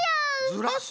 ずらす？